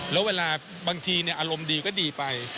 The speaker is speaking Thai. แล้วเวลาบางทีอารมณ์ดีก็ดีไป